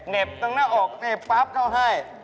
เหน็บตรงหน้าอกนี่ปั๊บเข้าให้